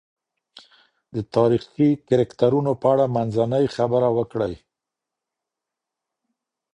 د تاریخي کرکټرونو په اړه منځنۍ خبره وکړئ.